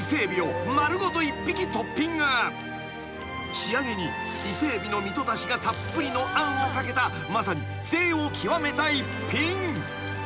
［仕上げに伊勢エビの身とだしがたっぷりのあんをかけたまさにぜいを極めた逸品］